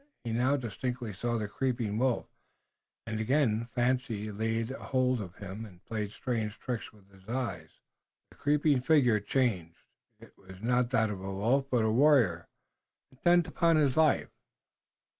He now distinctly saw the creeping wolf, and again fancy laid hold of him and played strange tricks with his eyes. The creeping figure changed. It was not that of a wolf, but a warrior, intent upon his life.